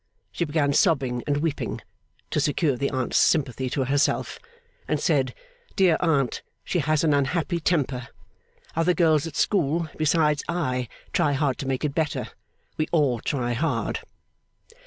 She began sobbing and weeping (to secure the aunt's sympathy to herself), and said, 'Dear aunt, she has an unhappy temper; other girls at school, besides I, try hard to make it better; we all try hard.